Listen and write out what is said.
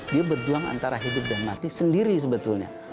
dia berjuang antara hidup dan mati sendiri sebetulnya